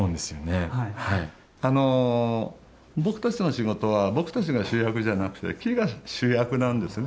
僕たちの仕事は僕たちが主役じゃなくて木が主役なんです。